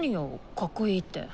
かっこいいって。